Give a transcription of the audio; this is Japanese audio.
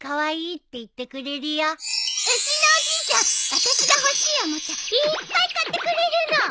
私が欲しいおもちゃいっぱい買ってくれるの。